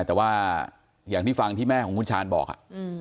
แต่ว่าอย่างที่ฟังที่แม่ของคุณชาญบอก